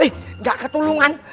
ih gak ketulungan